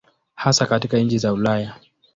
Hasa katika nchi za Ulaya.